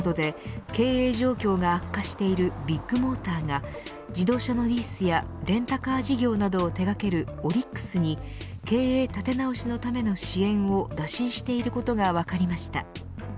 保険金の不正請求などで経営状況が悪化しているビッグモーターが自動車のリースやレンタカー事業などを手掛けるオリックスに経営立て直しのための支援を打診していることが分かりました。